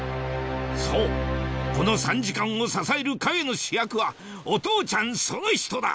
そうこの３時間を支える陰の主役はお父ちゃんその人だ！